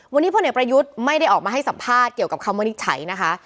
วันนี้พลเอกประยุทธ์ไม่ได้ออกมาให้สัมภาษณ์เกี่ยวกับคำวินิจฉัยนะคะ